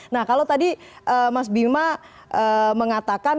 nah kalau tadi mas bima mengatakan